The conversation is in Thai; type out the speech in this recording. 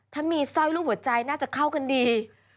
ถ้ามีสร้อยรูปหัวใจน่าจะเข้ากันดี